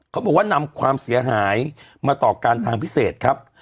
เขาบอกว่านำความเสียหายมาต่อการทางพิเศษครับ